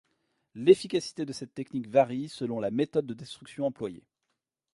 L'efficacité de cette technique varie selon la méthode de destruction employée.